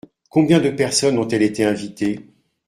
Combien de personnes ont-elles été invitées ?